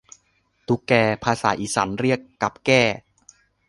ตุ๊กแก ภาษาอีสานเรียกกับแก้